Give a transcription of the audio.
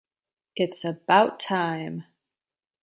It's About Time.